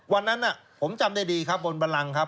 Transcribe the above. วันนั้นผมจำได้ดีครับบนบรังครับ